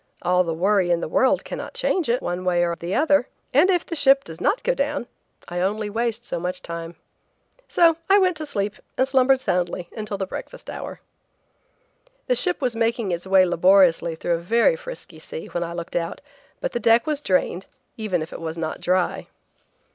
All the worry in the world cannot change it one way or the other, and if the ship does not go down, I only waste so much time." So I went to sleep and slumbered soundly until the breakfast hour. The ship was making its way laboriously through a very frisky sea when I looked out, but the deck was drained, even if it was not dry.